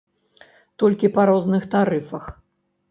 Толькі па розных тарыфах.